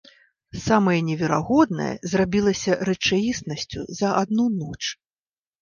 Самае неверагоднае зрабілася рэчаіснасцю за адну ноч.